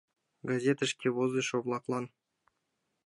ГАЗЕТЫШКЕ ВОЗЫШО-ВЛАКЛАН